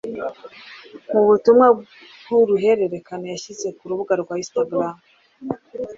Mu butumwa bw'uruhererekane yashyize ku rubuga rwa Instagram